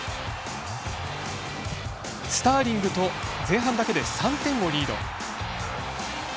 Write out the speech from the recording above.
スターリングと前半だけで３点をリード。